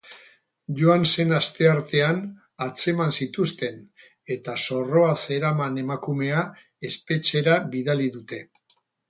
Joan zen asteartean atzeman zituzten, eta zorroa zeraman emakumea espetxera bidali dute.